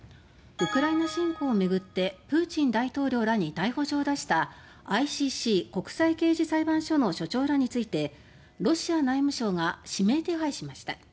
ウクライナ侵攻を巡ってプーチン大統領らに逮捕状を出したＩＣＣ・国際刑事裁判所の所長らについてロシア内務省が指名手配しました。